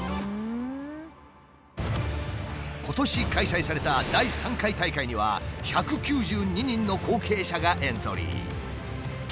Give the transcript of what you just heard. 今年開催された第３回大会には１９２人の後継者がエントリー。